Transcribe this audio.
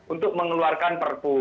untuk mengeluarkan perpu